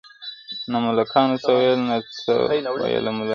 نه ملکانو څه ویل نه څه ویله مُلا!!